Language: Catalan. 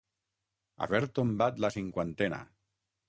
Haver tombat la cinquantena.